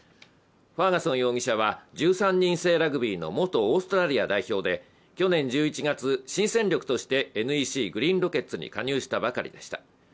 ファーガソン容疑者は１３人制ラグビーの元オーストラリア代表で、去年１１月、新戦力としてＮＥＣグリーンロケッツに加入したばかりでした。